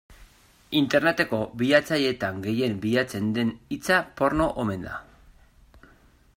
Interneteko bilatzaileetan gehien bilatzen den hitza porno omen da.